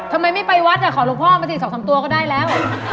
ทำไมไม่ไปวัดขอหลวงพ่อมาสิ๒๓ตัวก็ได้แล้ว